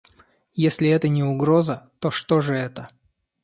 Если это не угроза, то что же это?